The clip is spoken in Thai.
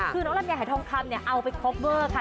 คือน้องน้องนมยายหายทองคำเนี่ยเอาไปคอบเวิ่อค่ะ